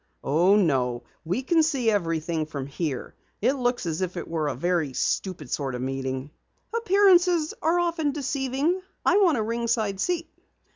"Oh, no, we can see everything from here. It looks as if it were a very stupid sort of meeting." "Appearances are often deceiving. I want a ringside seat."